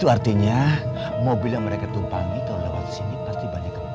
karena mobil yang mereka tumpangi kalau lewat sini pasti balik ke pes